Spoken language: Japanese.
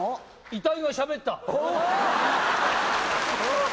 遺体がしゃべった！